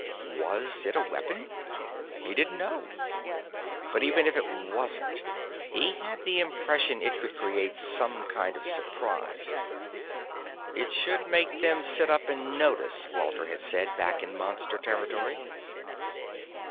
Was it a weapon? He didn't know. But even if it wasn't, he had the impression it could create some kind of surprise. "It should make them sit up and take notice," Walter had said back in Monster territory.